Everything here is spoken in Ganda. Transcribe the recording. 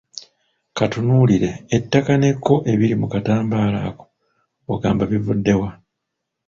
Katunuulire, ettaka n'ekko ebiri mu katambaala ako ogamba bivudde wa?